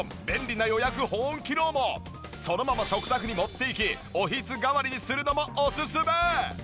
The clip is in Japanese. もちろんそのまま食卓に持って行きおひつ代わりにするのもオススメ！